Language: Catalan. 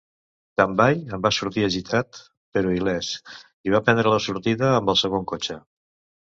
Tambay en va sortir agitat, però il·lès, i va prendre la sortida amb el segon cotxe.